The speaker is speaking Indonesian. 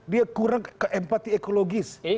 dia kurang ke empati ekologis